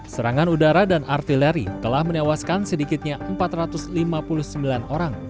serangan udara dan artileri telah menewaskan sedikitnya empat ratus lima puluh sembilan orang